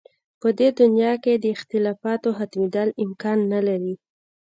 په دې دنیا کې د اختلافاتو ختمېدل امکان نه لري.